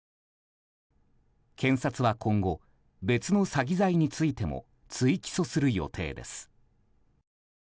検察は今後別の詐欺罪についても追起訴する予定です。